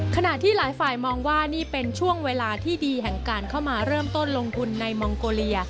ขณะที่หลายฝ่ายมองว่านี่เป็นช่วงเวลาที่ดีแห่งการเข้ามาเริ่มต้นลงทุนในมองโกเลีย